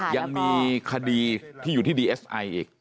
ยังมีคดีที่อยู่ที่ดีเอสไออีก